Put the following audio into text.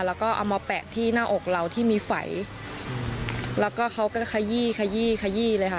แล้วก็เอามาแปะที่หน้าอกเราที่มีไฝแล้วก็เขาก็ขยี้ขยี้ขยี้เลยค่ะ